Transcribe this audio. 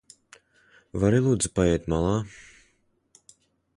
Vari lūdzu paiet malā?